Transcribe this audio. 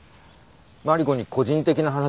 マリコに個人的な話がある。